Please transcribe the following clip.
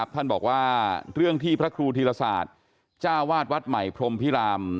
ท่านบอกว่าเรื่องที่พระครูธีรศาสตร์จ้าวาดวัดใหม่พรมพิราม